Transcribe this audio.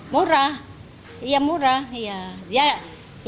murah ya murah